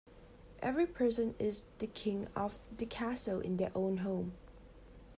Every person is the king of the castle in their own home.